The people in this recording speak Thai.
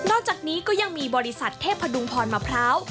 อกจากนี้ก็ยังมีบริษัทเทพดุงพรมะพร้าว